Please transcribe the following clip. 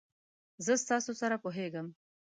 زه ستاسو سره پوهیږم.